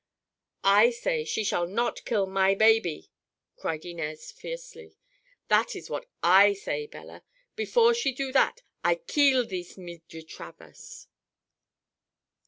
"I say she shall not kill my baby!" cried Inez fiercely. "That is what I say, Bella. Before she do that, I kill thees Meeldred Travers."